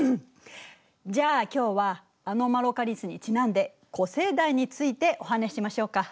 じゃあ今日はアノマロカリスにちなんで古生代についてお話ししましょうか。